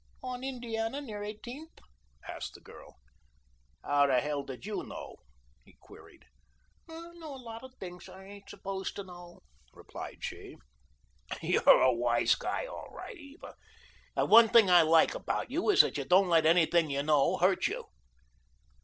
"On Indiana near Eighteenth?" asked the girl. "How the hell did you know?" he queried. "I know a lot of things I ain't supposed to know," replied she. "You're a wise guy, all right, Eva, and one thing I like about you is that you don't let anything you know hurt you."